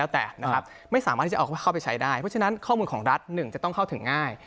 เพราะฉะนั้นข้อมูลของรัฐ๑จะต้องเข้าถึงง่าย